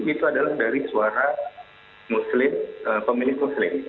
itu adalah dari suara muslim pemilik muslim